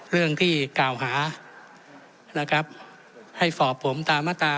เรื่องที่กล่าวหานะครับให้สอบผมตามมาตรา